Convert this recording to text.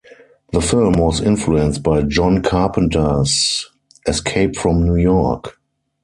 The film was influenced by John Carpenter's "Escape from New York".